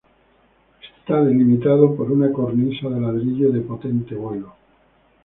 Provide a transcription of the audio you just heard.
Está delimitado por una cornisa de ladrillo de potente vuelo.